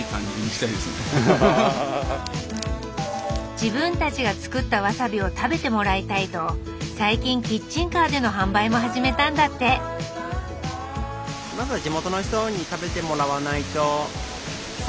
自分たちが作ったわさびを食べてもらいたいと最近キッチンカーでの販売も始めたんだって３人の夢はまだ始まったばかりです。